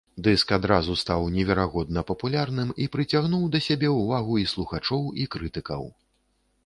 Дыск адразу стаў неверагодна папулярным і прыцягнуў да сябе ўвагу і слухачоў, і крытыкаў.